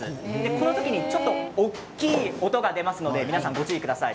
この時に大きい音が出ますので皆さんご注意ください。